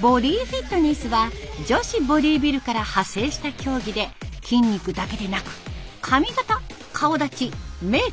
ボディフィットネスは女子ボディビルから派生した競技で筋肉だけでなく髪形顔だちメイク